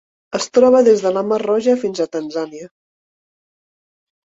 Es troba des de la Mar Roja fins a Tanzània.